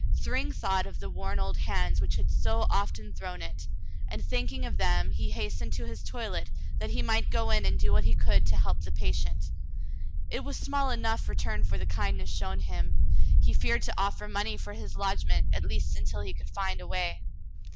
Thryng thought of the worn old hands which had so often thrown it, and thinking of them he hastened his toilet that he might go in and do what he could to help the patient. It was small enough return for the kindness shown him. He feared to offer money for his lodgment, at least until he could find a way.